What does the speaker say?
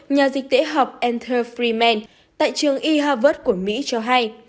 nhà dịch tễ học anthony freeman tại trường e harvard của mỹ cho hay